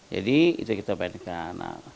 jadi itu kita pindahkan